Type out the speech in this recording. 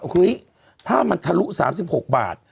โอเคถ้ามันทะลุ๓๖บาท